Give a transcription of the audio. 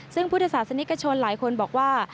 ซึ่งพุทธศาสนิกชนหลายคนบอกว่า